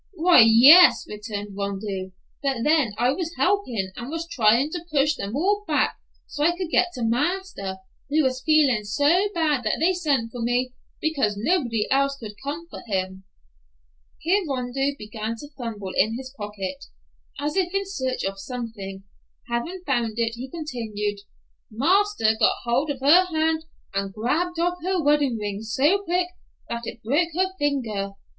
"Why, yes," returned Rondeau; "but then I was helpin' and was tryin' to push them all back so I could get to marster, who was feelin' so bad that they sent for me, because nobody else could comfort him." Here Rondeau began to fumble in his pocket, as if in search of something. Having found it, he continued, "Marster got hold of her hand and grabbed off her wedding ring so quick that it broke her finger.